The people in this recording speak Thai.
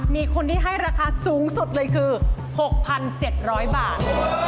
มีคนที่ให้ราคาสูงสุดเลยคือ๖๗๐๐บาท